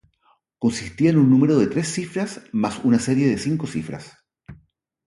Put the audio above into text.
Consistía en un número de tres cifras más una serie de cinco cifras.